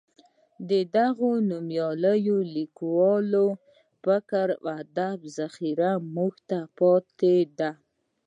د دغو نومیالیو لیکوالو فکر او ادب ذخیره موږ ته پاتې ده.